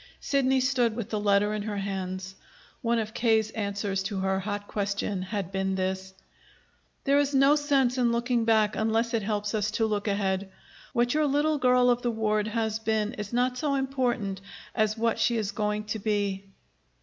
Sidney stood with the letter in her hands. One of K.'s answers to her hot question had been this: "There is no sense in looking back unless it helps us to look ahead. What your little girl of the ward has been is not so important as what she is going to be."